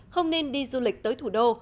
không nên đi du lịch tới thủ đô